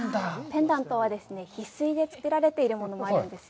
ペンダントはですね、ひすいで作られているものもあるんですよ。